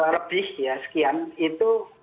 lebih ya sekian itu